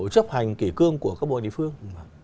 chấp hành kỷ cương của các bộ địa phương